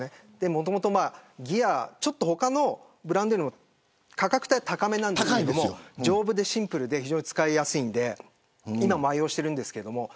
もともと他のブランドよりも価格帯、高めなんですけれども丈夫でシンプルで非常に使いやすいので今も愛用しているんですけれど。